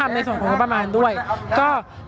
อย่างที่บอกไปว่าเรายังยึดในเรื่องของข้อ